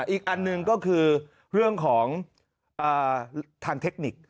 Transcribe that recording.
อีกอันหนึ่งก็คือเรื่องของทางเทคนิค